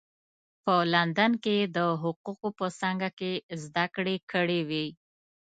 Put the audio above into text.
په لندن کې یې د حقوقو په څانګه کې زده کړې کړې وې.